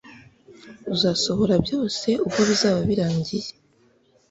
Uzasohora byose ubwo bizaba birangiye